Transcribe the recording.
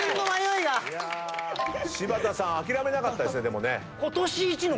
柴田さん諦めなかったですよね。